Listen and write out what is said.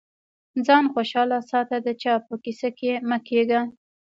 ځان خوشاله ساته د چا په کيسه کي مه کېږه.